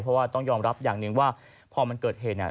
เพราะว่าต้องยอมรับอย่างหนึ่งว่าพอมันเกิดเหตุเนี่ย